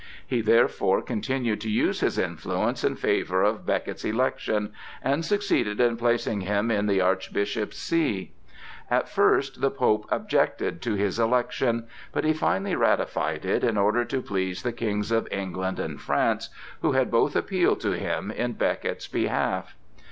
He therefore continued to use his influence in favor of Becket's election, and succeeded in placing him in the Archbishop's See. At first the Pope objected to his election, but he finally ratified it in order to please the kings of England and France, who had both appealed to him in Becket's behalf.